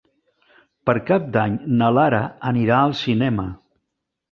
Per Cap d'Any na Lara anirà al cinema.